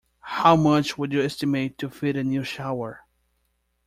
How much would you estimate to fit a new shower?